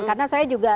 karena saya juga